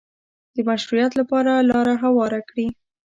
د مشروعیت لپاره لاره هواره کړي